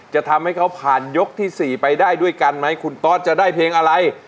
จะทำให้เขาผ่านยกที่๔ไปได้ด้วยกันไหมคุณตอสจะได้เพลงอะไร